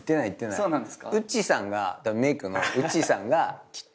そうなんですよ。